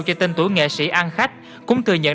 cho tên tủ nghệ sĩ an khách cũng từ nhận